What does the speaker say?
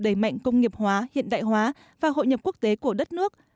đẩy mạnh công nghiệp hóa hiện đại hóa và hội nhập quốc tế của đất nước